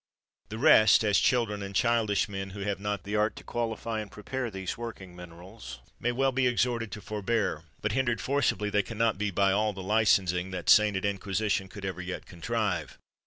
The rest, as children and childish men, who have not the art to qualify and prepare these working minerals, well may be exhorted to forbear, but hindered forcibly they can not be by all the licensing that Sainted Inquisition could ever yet contrive.